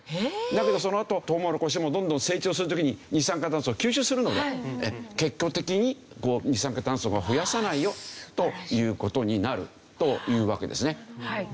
だけどそのあとトウモロコシもどんどん成長する時に二酸化炭素を吸収するので。という事になるというわけですね。